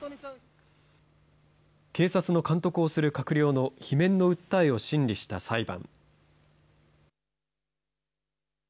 警察の監督をする閣僚の罷免の訴えを審理した裁判。